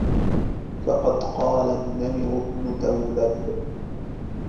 فَقَدْ قَالَ النَّمِرُ بْنُ تَوْلَبٍ